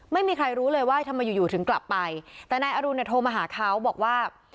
ไม่มีใครรู้เลยว่าทำไมอยู่อยู่ถึงกลับไปแต่นายอรุณเนี่ยโทรมาหาเขาบอกว่า